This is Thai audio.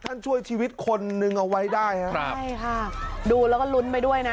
ช่วยชีวิตคนนึงเอาไว้ได้ครับใช่ค่ะดูแล้วก็ลุ้นไปด้วยนะ